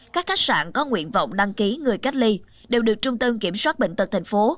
các khách sạn có nguyện vọng đăng ký người cách ly đều được trung tâm kiểm soát bệnh tật tp hcm